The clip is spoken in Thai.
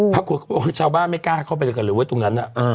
พรรคุกก็บอกว่าชาวบ้านไม่กล้าเข้าไปกันเลยว่ะตรงนั้นอะ